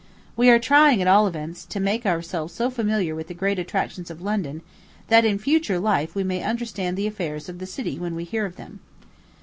We are trying, at all events, to make ourselves so familiar with the great attractions of London, that in future life we may understand the affairs of the city when we hear of them.